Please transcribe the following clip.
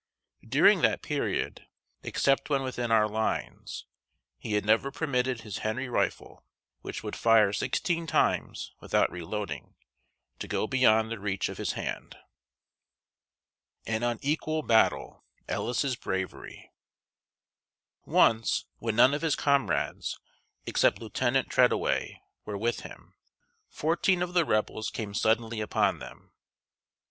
During that period, except when within our lines, he had never permitted his Henry rifle, which would fire sixteen times without reloading, to go beyond the reach of his hand. [Illustration: DAN. ELLIS.] [Sidenote: An Unequal Battle Ellis's Bravery.] Once, when none of his comrades, except Lieutenant Treadaway, were with him, fourteen of the Rebels came suddenly upon them.